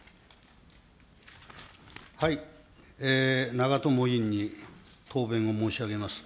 長友委員に答弁を申し上げます。